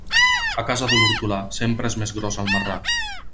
A casa de l'hortolà sempre és més gros el marrà.